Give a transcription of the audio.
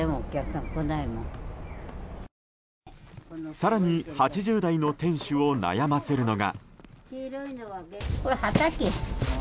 更に８０代の店主を悩ませるのが。